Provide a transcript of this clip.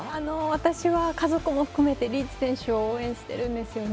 私は家族も含めてリーチ選手を応援しているんですよね。